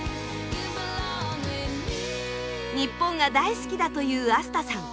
日本が大好きだというアスタさん。